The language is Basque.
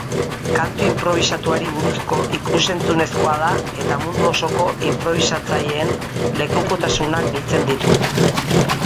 Kantu inprobisatuari buruzko ikus-entzunezkoa da eta mundu osoko inprobisatzaileen lekukotasunak biltzen ditu.